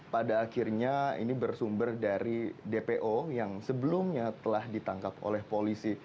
pada akhirnya ini bersumber dari dpo yang sebelumnya telah ditangkap oleh polisi